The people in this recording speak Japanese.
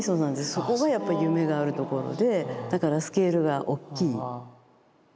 そこがやっぱり夢があるところでだからスケールがおっきい。